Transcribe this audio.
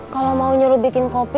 kalau mau nyuruh bikin kopi